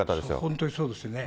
本当にそうですよね。